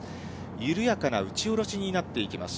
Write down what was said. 緩やかな打ち下ろしになっていきます。